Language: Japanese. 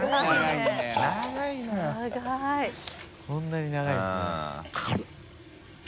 こんなに長いんですね。